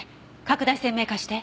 拡大鮮明化して。